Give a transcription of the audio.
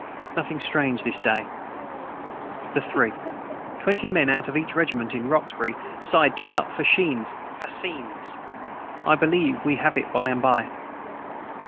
Nothing strange this day. the 3. 20 men out of each Regement in Roxbury side to cut fachines I believe we have it by and by.